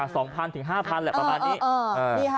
สองพันหรือห้าพันประมาณนี้